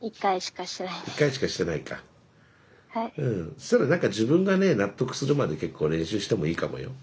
そしたら何か自分がね納得するまで結構練習してもいいかもよ。